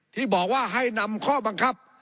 ที่บอกว่าให้นำข้อบังคับ